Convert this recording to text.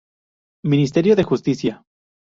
Ministerio de Justicia